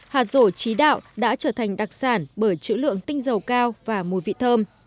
hạt rổ trí đạo đã trở thành đặc sản bởi chữ lượng tinh dầu cao và mùi vị thơm